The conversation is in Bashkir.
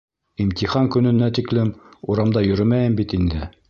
Имтихан көнөнә тиклем урамда йөрөмәйем бит инде.